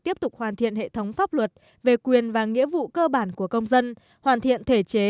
tiếp tục hoàn thiện hệ thống pháp luật về quyền và nghĩa vụ cơ bản của công dân hoàn thiện thể chế